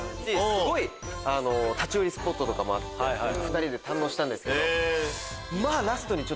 すごい立ち寄りスポットもあって２人で堪能したんですけど。